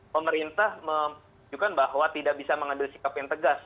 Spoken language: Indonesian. pemerintah menunjukkan bahwa tidak bisa mengambil sikap yang tegas